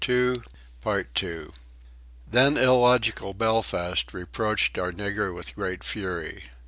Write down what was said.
We were dismayed. Then illogical Belfast reproached our nigger with great fury.